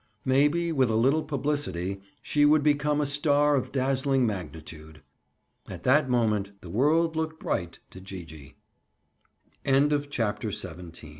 Maybe with a little publicity, she would become a star of dazzling magnitude. At that moment, the world looked bright to Gee gee. CHAPTER XVIII—A FOR